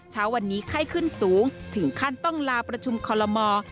เช้าวันนี้ไข้ขึ้นสูงถึงขั้นต้องลาประชุมคอลโลมอร์